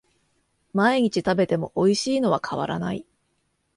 毎日食べてもおいしいのは変わらない